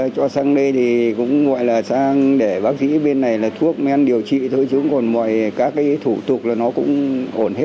cho sang đây thì cũng gọi là sang để bác sĩ bên này là thuốc mới ăn điều trị thôi chứ không còn mọi các thủ tục là nó cũng ổn hết